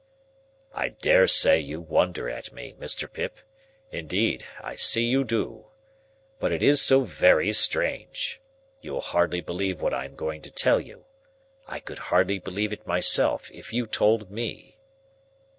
"I dare say you wonder at me, Mr. Pip; indeed, I see you do. But it is so very strange! You'll hardly believe what I am going to tell you. I could hardly believe it myself, if you told me."